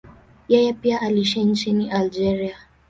Yeye pia aliishi nchini Algeria.